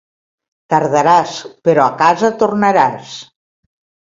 Tardaràs, però a casa tornaràs.